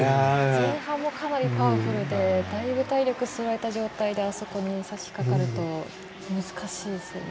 前半もかなりパワフルでだいぶ体力を吸われてあそこにさしかかると難しいですよね。